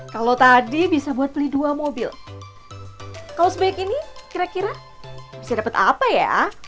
kalau tadi bisa buat beli dua mobil kaosback ini kira kira bisa dapat apa ya